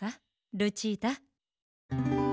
ルチータ。